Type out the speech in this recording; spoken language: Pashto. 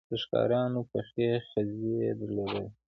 د ښکاریانو پخې خزې یې درلودې.